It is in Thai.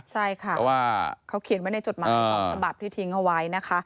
ใช่ค่ะเขาเขียนไว้ในจดหมาย๒ฉบับที่ทิ้งไว้นะคะ